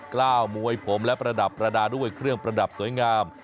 กล้าวมวยผมและประดับประดาษด้วยเครื่องประดับสวยงาม